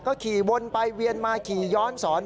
ก็ขี่วนไปเวียนมาขี่ย้อนสอน